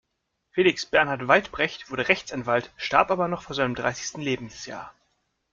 Felix Bernhard Weitbrecht wurde Rechtsanwalt, starb aber noch vor seinem dreißigsten Lebensjahr.